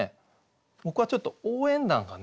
僕はちょっと「応援団」がね